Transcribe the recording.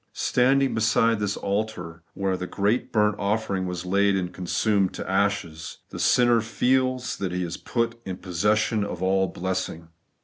Standing beside this altar where the great burnt offering was laid and consumed to ashes, the sinner feels that he is put in possession of all blessing.